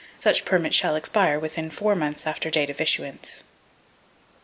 Such permit shall expire within four months after the date of issuance.